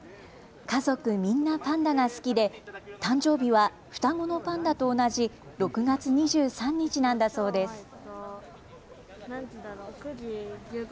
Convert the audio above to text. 家族みんなパンダが好きで誕生日は双子のパンダと同じ６月２３日なんだそうです。